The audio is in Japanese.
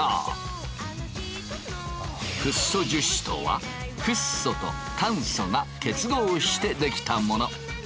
フッ素樹脂とはフッ素と炭素が結合して出来たもの。